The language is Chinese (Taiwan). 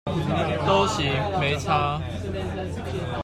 都行，沒差